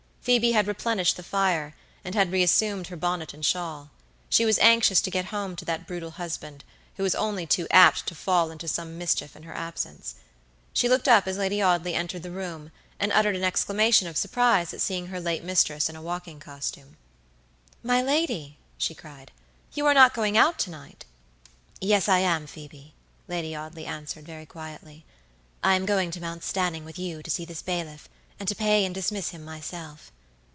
Phoebe had replenished the fire, and had reassumed her bonnet and shawl. She was anxious to get home to that brutal husband, who was only too apt to fall into some mischief in her absence. She looked up as Lady Audley entered the room, and uttered an exclamation of surprise at seeing her late mistress in a walking costume. "My lady," she cried, "you are not going out to night?" "Yes, I am, Phoebe," Lady Audley answered, very quietly. "I am going to Mount Stanning with you to see this bailiff, and to pay and dismiss him myself."